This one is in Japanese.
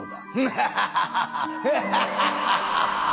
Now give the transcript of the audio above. ハハハハハハハ！